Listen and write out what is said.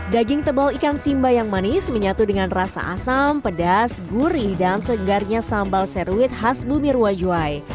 daging tebal ikan simba yang manis menyatu dengan rasa asam pedas gurih dan segarnya sambal seruit khas bumi ruwajuai